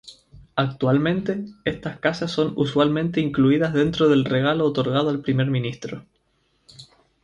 Actualmente, estas casas son usualmente incluidas dentro del regalo otorgado al Primer Ministro.